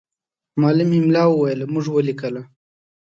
معلم املا وویله، موږ ولیکله.